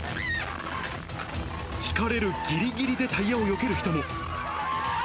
ひかれるぎりぎりでタイヤをよける人も。